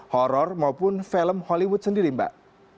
horror maupun film hollywood sendiri mbak